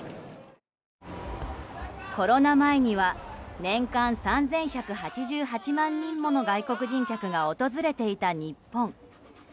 コロナ前には年間３１８８万人もの外国人客が訪れていた日本。